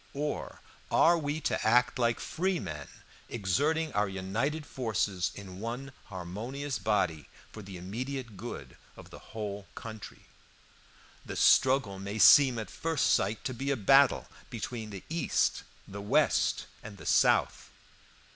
or are we to act like free men, exerting our united forces in one harmonious body for the immediate good of the whole country? The struggle may seem at first sight to be a battle between the East, the West, and the South.